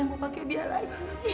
yang mau pakai dia lagi